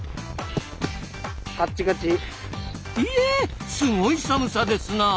ひえすごい寒さですな。